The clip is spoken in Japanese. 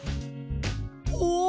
お！